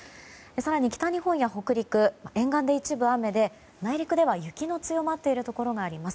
更に、北日本や北陸の沿岸で一部雨で内陸では雪の強まっているところがあります。